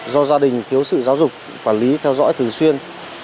do gia đình thiếu sự giáo dục quản lý theo dõi thường xuyên